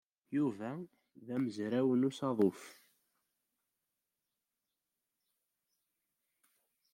Yuba d amezraw n usaḍuf.